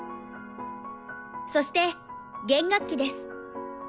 そして弦楽器です。